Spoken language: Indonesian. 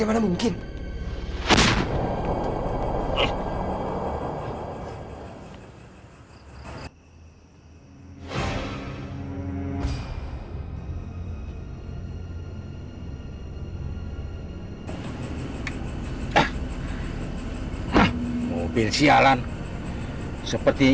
saya danankan jengored warga untuk memutuskan siapapun